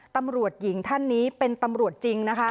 ตำรวจหญิงท่านนี้เป็นตำรวจจริงนะคะ